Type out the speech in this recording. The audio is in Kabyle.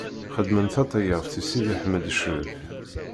Xedmen taṭeyyaft i Sidi Ḥmed Ccrif.